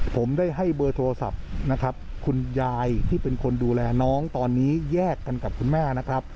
ผมได้ให้เบอร์โทรศัพท์นะครับคุณยายที่เป็นคนดูแลน้องตอนนี้แยกกันกับคุณแม่นะครับ